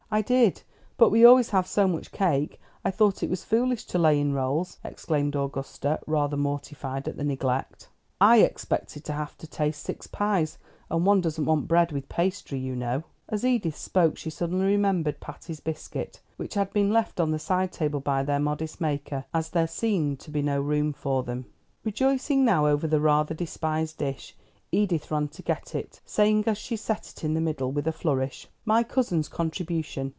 "I did, but we always have so much cake I thought it was foolish to lay in rolls," exclaimed Augusta, rather mortified at the neglect. "I expected to have to taste six pies, and one doesn't want bread with pastry, you know." As Edith spoke she suddenly remembered Patty's biscuit, which had been left on the side table by their modest maker, as there seemed to be no room for them. Rejoicing now over the rather despised dish, Edith ran to get it, saying as she set it in the middle, with a flourish: "My cousin's contribution.